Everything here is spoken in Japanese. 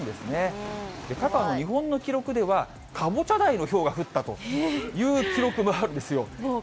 過去の日本の記録ではカボチャ大のひょうが降ったという記録もあるんですよ。